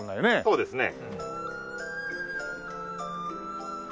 そうですね。